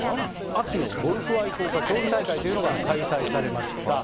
秋のゴルフ愛好家競技大会というのが開催されました。